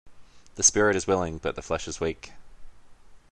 The spirit is willing but the flesh is weak.